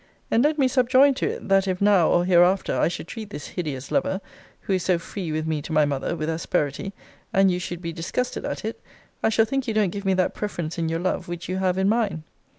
and let me subjoin to it, that if now, or hereafter, I should treat this hideous lover, who is so free with me to my mother, with asperity, and you should be disgusted at it, I shall think you don't give me that preference in your love which you have in mine.